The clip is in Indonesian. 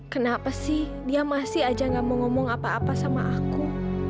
kenapa sih dia masih aja gak mau ngomong apa apa sama aku